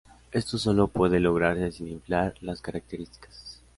Esto sólo puede lograrse sin "inflar" las características.